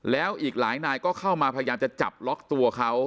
แล้วอีกหลายนายก็เข้ามาพยายามจะจับล็อกตัวเขา